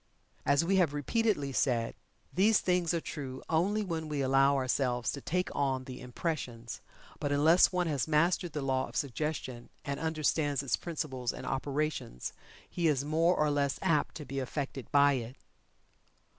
As we have repeatedly said, these things are true only when we allow ourselves to "take on" the impressions, but unless one has mastered the law of suggestion, and understands its principles and operations he is more or less apt to be affected by it.